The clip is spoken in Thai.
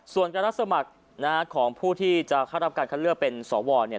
ส่วนการรับสมัครของผู้ที่จะเข้ารับการคัดเลือกเป็นสวเนี่ย